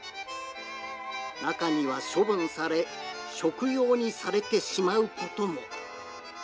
中には処分され、食用にされてしまうことも。